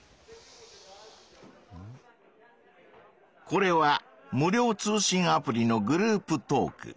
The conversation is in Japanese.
これは無料通信アプリのグループトーク。